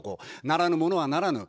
ならぬものはならぬ。